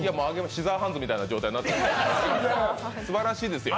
シザーハンズみたいな状態になってるのであげますよ。